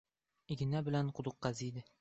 • Igna bilan quduq qaziydi.